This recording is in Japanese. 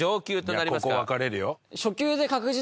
ここ分かれるよ。